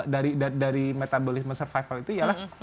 dari metabolisme survival itu ialah